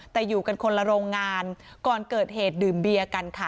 แต่อยู่กันคนละโรงงานก่อนเกิดเหตุดื่มเบียร์กันค่ะ